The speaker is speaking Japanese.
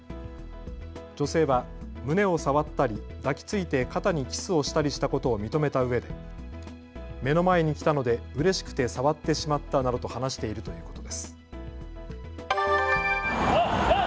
女性は胸を触ったり抱きついて肩にキスをしたりしたことを認めたうえで目の前に来たのでうれしくて触ってしまったなどと話しているということです。